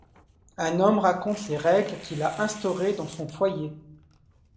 Un homme raconte les règles qu’il a instaurées dans son foyer.